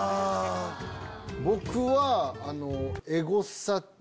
僕は。